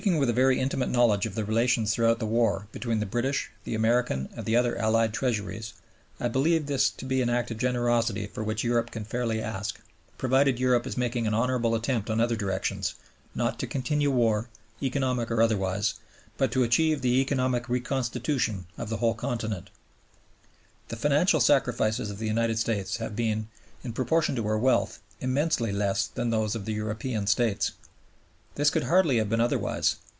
Speaking with a very intimate knowledge of the relations throughout the war between the British, the American, and the other Allied Treasuries, I believe this to be an act of generosity for which Europe can fairly ask, provided Europe is making an honorable attempt in other directions, not to continue war, economic or otherwise, but to achieve the economic reconstitution of the whole Continent, The financial sacrifices of the United States have been, in proportion to her wealth, immensely less than those of the European States. This could hardly have been otherwise.